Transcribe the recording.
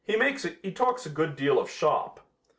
He talks a good deal of shop.